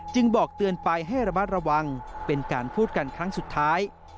บอกเตือนไปให้ระมัดระวังเป็นการพูดกันครั้งสุดท้าย